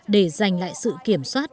để giành lại sự kiểm soát